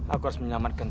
aku harus menyelamatkan